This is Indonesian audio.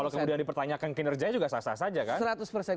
kalau kemudian dipertanyakan kinerjanya juga sah sah saja kan